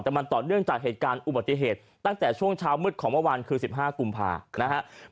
แต่มันต่อเนื่องจากเหตุการณ์อุบัติเหตุตั้งแต่ช่วงเช้ามืดของเมื่อวานคือ๑๕กุมภานะครับ